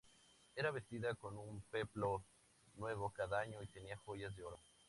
Era vestida con un peplo nuevo cada año y tenía joyas de oro.